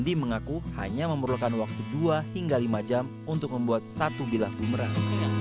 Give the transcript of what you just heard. andi mengaku hanya memerlukan waktu dua hingga lima jam untuk membuat satu bilah bumerang